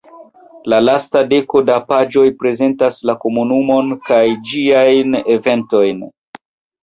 La lasta deko da paĝoj prezentas la komunumon kaj ĝiajn eventojn.